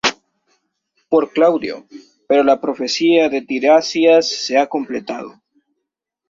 Por Claudio, pero la profecía de Tiresias se ha completado.